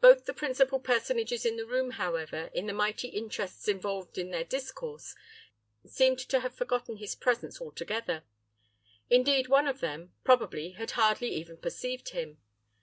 Both the principal personages in the room, however, in the mighty interests involved in their discourse, seemed to have forgotten his presence altogether; indeed, one of them, probably, had hardly even perceived him.